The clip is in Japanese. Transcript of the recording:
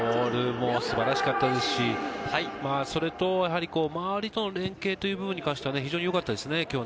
ゴールも素晴らしかったですし、それと周りとの連係という部分に関して今日非常によかったです。